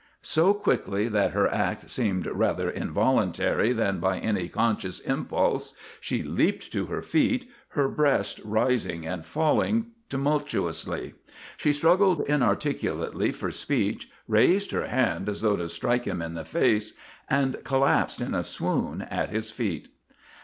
So quickly that her act seemed rather involuntary than by any conscious impulse, she leaped to her feet, her breast rising and falling tumultuously. She struggled inarticulately for speech, raised her hand as though to strike him in the face, and collapsed in a swoon at his feet.